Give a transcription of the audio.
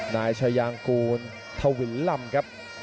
นายชายางกูลทวิลลำ